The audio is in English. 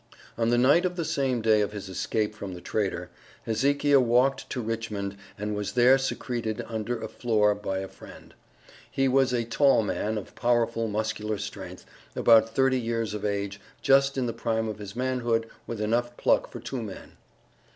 On the night of the same day of his escape from the trader, Hezekiah walked to Richmond and was there secreted under a floor by a friend. He was a tall man, of powerful muscular strength, about thirty years of age just in the prime of his manhood with enough pluck for two men.